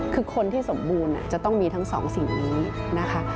คือคนที่สมบูรณ์จะต้องมีทั้งสองสิ่งนี้นะคะ